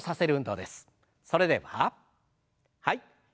それでははい。